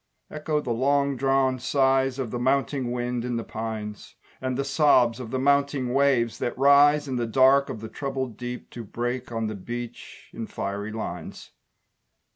Echo the long drawn sighs Of the mounting wind in the pines; And the sobs of the mounting waves that rise In the dark of the troubled deep To break on the beach in fiery lines.